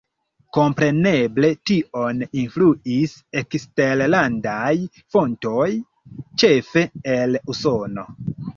Kompreneble tion influis eksterlandaj fontoj, ĉefe el Usono.